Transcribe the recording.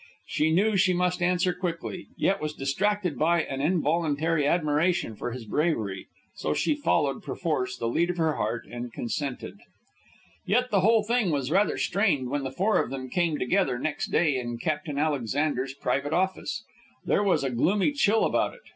She knew she must answer quickly, yet was distracted by an involuntary admiration for his bravery. So she followed, perforce, the lead of her heart, and consented. Yet the whole thing was rather strained when the four of them came together, next day, in Captain Alexander's private office. There was a gloomy chill about it.